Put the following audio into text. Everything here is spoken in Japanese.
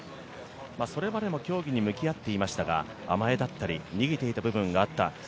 それまでも競技に向き合っていましたが、甘えだったり逃げていたりしていた部分があった。